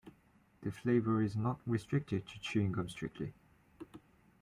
The flavour is not restricted to chewing gums strictly.